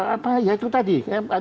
apa ya itu tadi